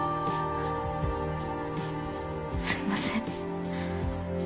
すいません。